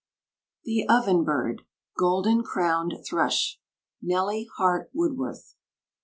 THE OVENBIRD GOLDEN CROWNED THRUSH. NELLY HART WOODWORTH.